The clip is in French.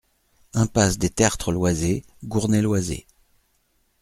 Impasse des Tertres Loizé, Gournay-Loizé